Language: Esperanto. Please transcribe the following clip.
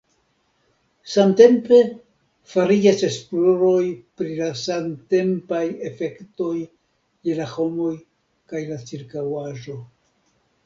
Samtempe fariĝas esploroj pri la samtempaj efektoj je la homoj kaj la ĉirkaŭaĵo.